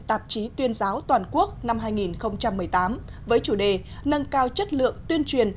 tạp chí tuyên giáo toàn quốc năm hai nghìn một mươi tám với chủ đề nâng cao chất lượng tuyên truyền